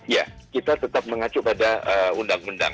ya kita tetap mengacu pada undang undang